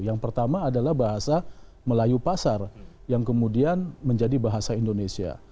yang pertama adalah bahasa melayu pasar yang kemudian menjadi bahasa indonesia